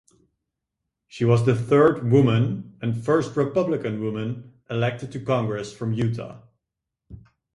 She was the third woman and first Republican woman elected to congress from Utah.